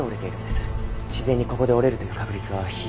自然にここで折れるという確率は非常に低いと思います。